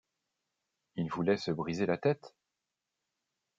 Il voulait se briser la tête!